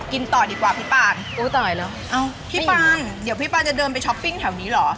กินต่อดีกว่าพี่ปานอุ้ยต่อไหนแล้วเอ้าพี่ปานเดี๋ยวพี่ปานจะเดินไปช้อปปิ้งแถวนี้เหรอ